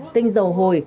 tinh dầu hồi